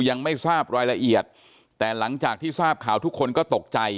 ยังไม่ทราบรายละเอียดแต่หลังจากที่ทราบข่าวทุกคนก็ตกใจ